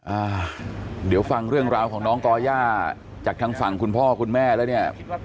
อ่าเดี๋ยวฟังเรื่องราวของน้องก่อย่าจากทางฝั่งคุณพ่อคุณแม่แล้วเนี่ย